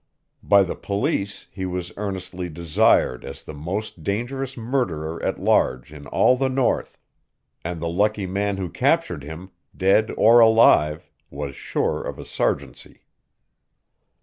By the police he was earnestly desired as the most dangerous murderer at large in all the north, and the lucky man who captured him, dead or alive, was sure of a sergeantcy.